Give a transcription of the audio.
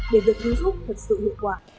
để được cứu giúp thực sự hiệu quả